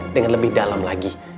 dengan lebih dalam lagi